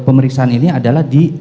pemeriksaan ini adalah di